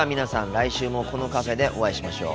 来週もこのカフェでお会いしましょう。